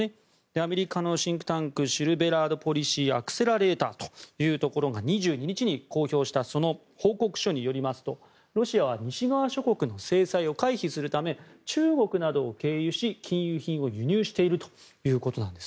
アメリカのシンクタンクシルベラード・ポリシー・アクセラレーターというところが２２日に公表した報告書によりますとロシアは西側諸国の制裁を回避するため中国などを経由し禁輸品を輸入しているということなんです。